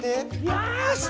よし！